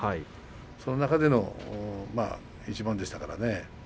その中での一番でしたから。